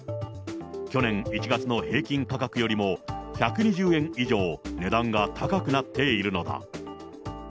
去年１月の平均価格よりも、１２０円以上、値段が高くなっているのだ。